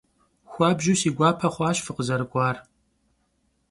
Xuabju si guape xhuaş fıkhızerık'uar.